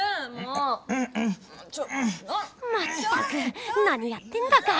まったくなにやってんだか。